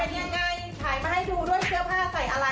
เป็นยังไงถ่ายมาให้ดูด้วยเสื้อผ้าใส่อะไร